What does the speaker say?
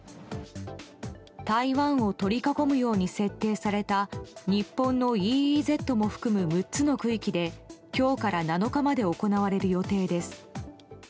台湾を取り囲むように設定された日本のＥＥＺも含む６つの地域で今日から７日まで行われる予定です。